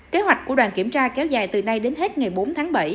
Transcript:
kế hoạch của đoàn kiểm tra kéo dài từ nay đến hết ngày bốn tháng bảy